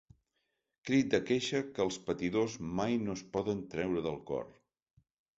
Crit de queixa que els patidors mai no es poden treure del cor.